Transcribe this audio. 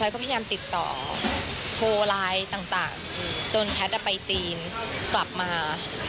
ก็พยายามติดต่อโทรไลน์ต่างจนแพทย์ไปจีนกลับมา